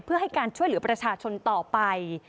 เพื่อให้การช่วยเหลือประชาชนต่อไป